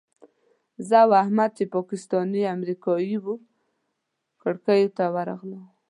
زه او احمد چې پاکستاني امریکایي وو کړکیو ته ورغلو.